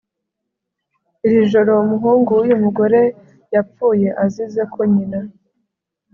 iri joro, umuhungu w'uyu mugore yapfuye azize ko nyina